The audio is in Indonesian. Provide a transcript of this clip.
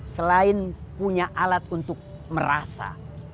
selain punya alat untuk merasa